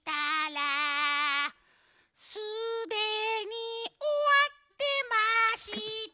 「すでに終わってました」